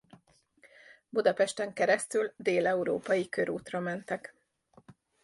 Budapesten keresztül dél-európai körútra mentek.